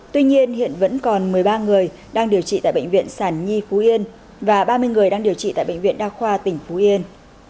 tuy nhiên hiện vẫn còn một mươi ba người đang điều trị tại bệnh viện sản nhi phú yên và ba mươi người đang điều trị tại bệnh viện đa khoa tỉnh phú yên